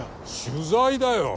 取材だよ。